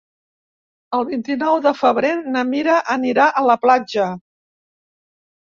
El vint-i-nou de febrer na Mira anirà a la platja.